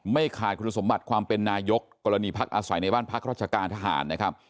ไม่ขาดคุณสมบัติความเป็นนายกกรณีพักอาศัยในบ้านพักราชการทหารนะครับ